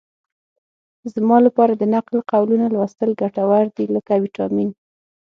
زما لپاره د نقل قولونو لوستل ګټور دي لکه ویټامین.